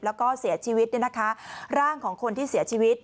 แล้วก็เสียชีวิตเนี่ยนะคะร่างของคนที่เสียชีวิต